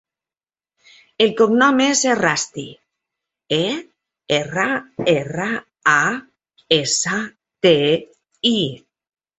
El cognom és Errasti: e, erra, erra, a, essa, te, i.